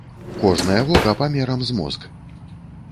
Кожнае вока памерам з мозг.